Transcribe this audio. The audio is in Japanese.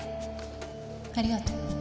ありがとう。